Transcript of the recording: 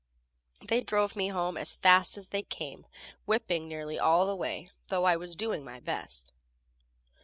They drove home as fast as they came, whipping nearly all the way, though I was doing my best.